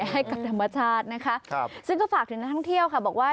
ให้กับธรรมชาตินะคะซึ่งก็ฝากถึงนักท่องเที่ยวค่ะบอกว่า